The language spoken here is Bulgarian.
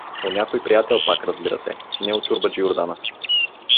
— У някой приятел пак, разбира се — не у чорбаджи Юрдана.